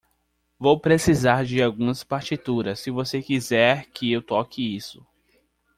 Vou precisar de algumas partituras, se você quiser que eu toque isso.